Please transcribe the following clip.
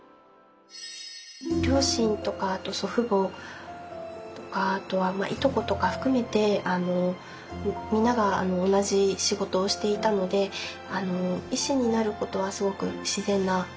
両親とか祖父母とかいとことか含めて皆が同じ仕事をしていたので医師になることはすごく自然なことでした。